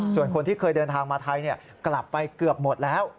ส่วนคนที่เคยเดินทางมาไทยกลับไปเกือบหมดแล้ว